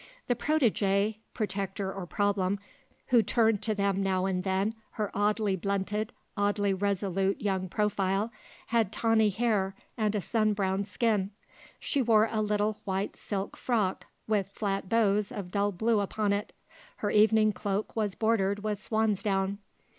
The protégée, protector or problem, who turned to them now and then her oddly blunted, oddly resolute young profile, had tawny hair, and a sun browned skin. She wore a little white silk frock with flat bows of dull blue upon it. Her evening cloak was bordered with swansdown.